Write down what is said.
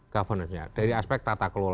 governance nya dari aspek tata kelola